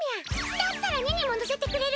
だったらねねも乗せてくれる？